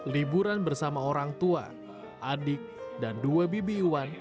liburan bersama orang tua adik dan dua bibi iwan